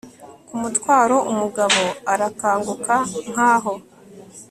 kumutwara, umugabo arakanguka nkaho